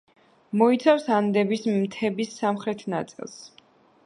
მოიცავს ანდების მთების სამხრეთ ნაწილს.